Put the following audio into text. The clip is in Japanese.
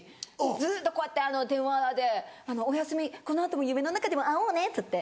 ずっとこうやって電話で「おやすみこの後も夢の中でも会おうね」っつって。